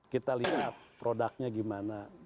kita lihat produknya gimana